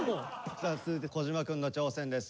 さあ続いて小島くんの挑戦です。